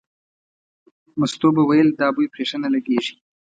مستو به ویل دا بوی پرې ښه نه لګېږي.